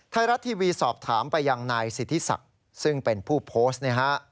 ไทยรัฐทีวีสอบถามไปยังนายสิทธิศักดิ์ซึ่งเป็นผู้โพสต์นะฮะ